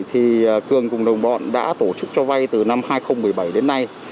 thì cường cùng đồng bọn đã tổ chức cho vay từ năm hai nghìn một mươi bảy đến nay